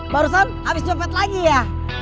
barusan habis compet lagi ya